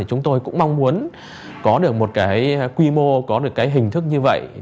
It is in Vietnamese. chúng tôi cũng mong muốn có được một quy mô có được hình thức như vậy